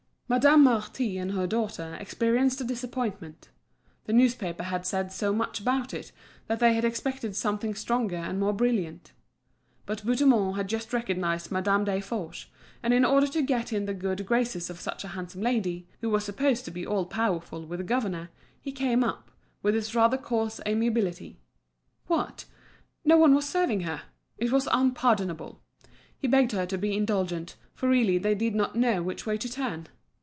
Madame Marty and her daughter experienced a disappointment. The newspapers had said so much about it, that they had expected something stronger and more brilliant. But Bouthemont had just recognised Madame Desforges, and in order to get in the good graces of such a handsome lady, who was supposed to be all powerful with the governor, he came up, with his rather coarse amiability. What! no one was serving her! it was unpardonable! He begged her to be indulgent, for really they did not know which way to turn.